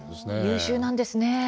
優秀なんですね。